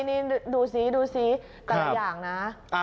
นี่ดูซิทักอย่างนะ